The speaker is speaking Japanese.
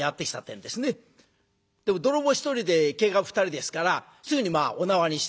でも泥棒１人で警官２人ですからすぐにまあお縄にして。